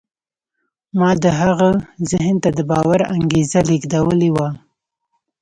ما د هغه ذهن ته د باور انګېزه لېږدولې وه.